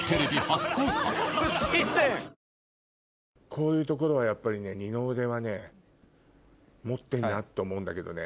こういうところはやっぱり二の腕はね持ってんなって思うんだけどね。